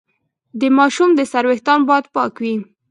د ماشوم د سر ویښتان باید پاک وي۔